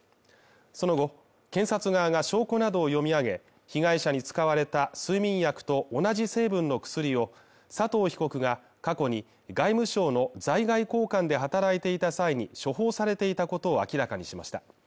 その後、検察側が証拠などを読み上げ、被害者に使われた睡眠薬と同じ成分の薬を佐藤被告が過去に外務省の在外公館で働いていた際に処方されていたことを明らかにしました。